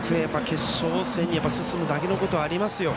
決勝戦に進むだけのことはありますよ。